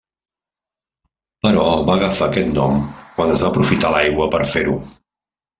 Però va agafar aquest nom quan es va aprofitar l'aigua per fer-ho.